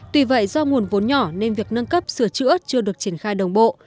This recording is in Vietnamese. tuy vậy do nguồn vốn nhỏ nên việc nâng cấp sửa chữa chưa được triển khai đồng bộ